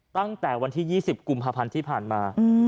ตั้งแต่วันที่๒๐กุมภาพันธ์ที่ผ่านมา